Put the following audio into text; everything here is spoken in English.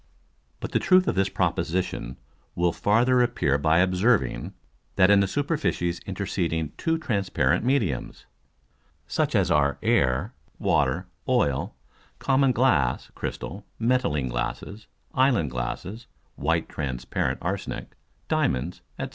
But the truth of this Proposition will farther appear by observing, that in the Superficies interceding two transparent Mediums, (such as are Air, Water, Oil, common Glass, Crystal, metalline Glasses, Island Glasses, white transparent Arsenick, Diamonds, &c.)